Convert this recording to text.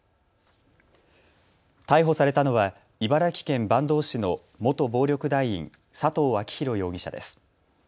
逮捕されたのは茨城県坂東市の元暴力団員、佐藤明弘容疑者です。